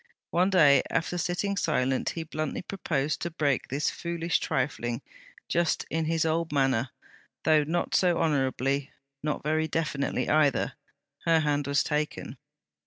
One day, after sitting silent, he bluntly proposed to break 'this foolish trifling'; just in his old manner, though not so honourably; not very definitely either. Her hand was taken.